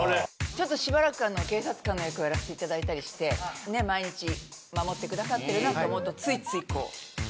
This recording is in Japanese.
しばらく警察官の役をやらせていただいたりして毎日守ってくださってるなと思うとついついこう。